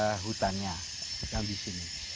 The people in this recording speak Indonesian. menjaga hutannya yang ada di sini